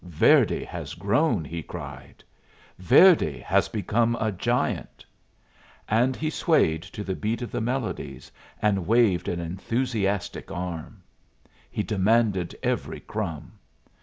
"Verdi has grown," he cried. "Verdi has become a giant." And he swayed to the beat of the melodies, and waved an enthusiastic arm. He demanded every crumb.